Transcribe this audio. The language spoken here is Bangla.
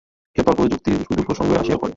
এইসব তর্ক ও যুক্তি শুধু প্রসঙ্গত আসিয়া পড়ে।